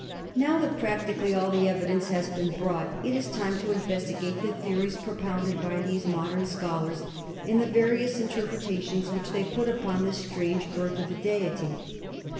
Now that practically all the evidence has been brought it is time to investigate the theories propounded by these modern scholars and the various interpretations which they put upon this strange birth of a deity.